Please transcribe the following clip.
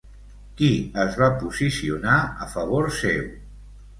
Qui es va posicionar a favor seu?